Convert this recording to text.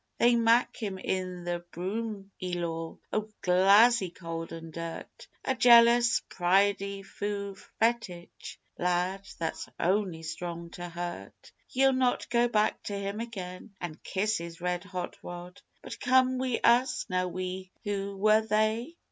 They mak' him in the Broomielaw, o' Glasgie cold an' dirt, A jealous, pridefu' fetich, lad, that's only strong to hurt, Ye'll not go back to Him again an' kiss His red hot rod, But come wi' Us" (Now, who were They?)